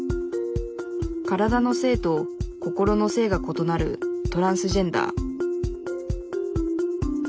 体の性と心の性がことなるトランスジェンダー。